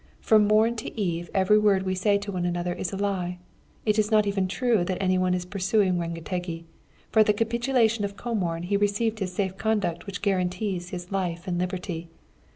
From morn to eve every word we say to one another is a lie. It is not even true that any one is pursuing Rengetegi, for at the capitulation of Comorn he received his safe conduct which guarantees his life and liberty.